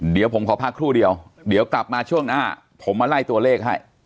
เดี๋ยวผมขอพักครู่เดียวเดี๋ยวกลับมาช่วงหน้าผมมาไล่ตัวเลขให้